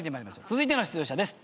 続いての出場者です。